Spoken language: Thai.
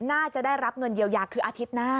น่าจะได้รับเงินเยียวยาคืออาทิตย์หน้า